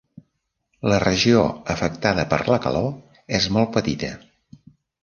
La regió afectada per la calor és molt petita.